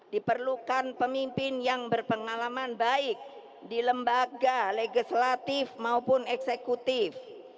diperlukan pemimpin yang berpengalaman baik di lembaga legislatif maupun eksekutif